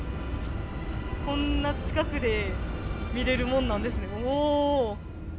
こんな近くで見れるものなんですね。